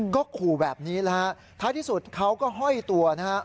ก็ขู่แบบนี้นะฮะท้ายที่สุดเขาก็ห้อยตัวนะฮะ